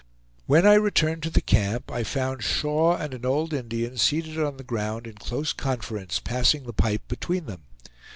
When I returned to the camp I found Shaw and an old Indian seated on the ground in close conference, passing the pipe between them.